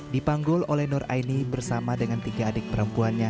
dipanggul oleh nur aini bersama dengan tiga adik perempuannya